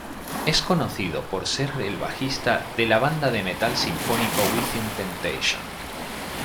Es conocido por ser el bajista de la banda de metal sinfónico Within Temptation.